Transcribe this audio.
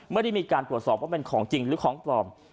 ไม่ได้มีการตรวจสอบว่าเป็นของจริงหรือของปลอม